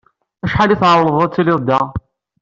Acḥal i tɛewwleḍ ad tiliḍ da?